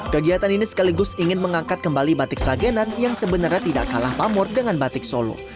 kegiatan ini sekaligus ingin mengangkat kembali batik sragenan yang sebenarnya tidak kalah pamur dengan batik solo